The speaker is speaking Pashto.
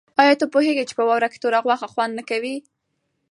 آیا ته پوهېږې چې په واوره کې توره غوښه خوند نه کوي؟